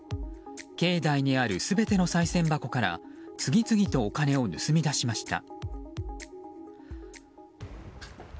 境内にある全てのさい銭箱から次々とお金を盗み出しました。